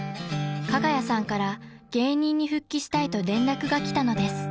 ［加賀谷さんから芸人に復帰したいと連絡が来たのです］